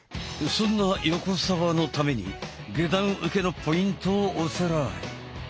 そんな横澤のために下段受けのポイントをおさらい。